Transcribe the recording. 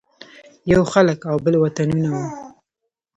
یو خلک او بل وطنونه وو.